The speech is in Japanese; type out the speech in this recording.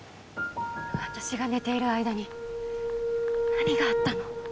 私が寝ている間に何があったの？